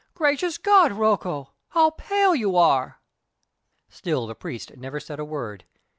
"Gracious God, Rocco, how pale you are!" Still the priest never said a word.